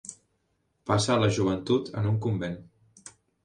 Passar la joventut en un convent.